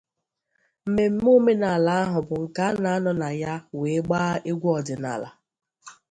Mmemme omenala ahụ bụ nke a na-anọ na ya wee gbaa egwu ọdịnala